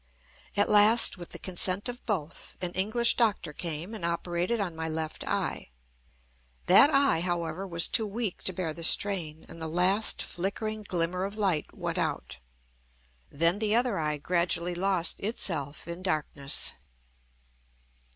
At last, with the consent of both, an English doctor came, and operated on my left eye. That eye, however, was too weak to bear the strain; and the last flickering glimmer of light went out. Then the other eye gradually lost itself in darkness.